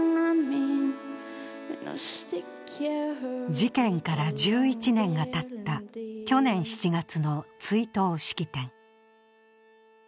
事件から１１年がたった去年７月の追悼式典。